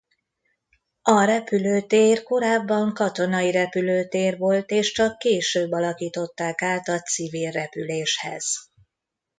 A repülőtér korábban katonai repülőtér volt és csak később alakították át a civil repüléshez.